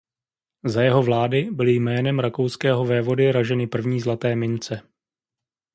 Za jeho vlády byly jménem rakouského vévody raženy první zlaté mince.